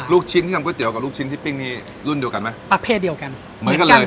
ลูกชิ้นที่ทำก๋วกับลูกชิ้นที่ปิ้งนี่รุ่นเดียวกันไหมประเภทเดียวกันเหมือนกันเลย